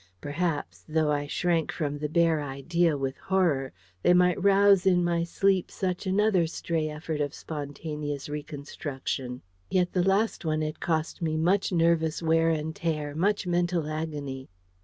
Perhaps though I shrank from the bare idea with horror they might rouse in my sleep such another stray effort of spontaneous reconstruction. Yet the last one had cost me much nervous wear and tear much mental agony.